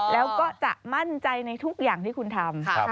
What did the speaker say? แล้วก็จะมั่นใจในทุกอย่างที่คุณทำ